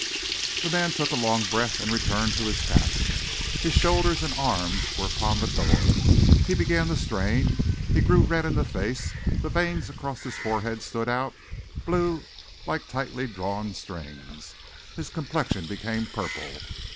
The man took a long breath and returned to his task. His shoulders and arms were upon the door. He began to strain. He grew red in the face; the veins across his forehead stood out, blue, like tightly drawn string. His complexion became purple.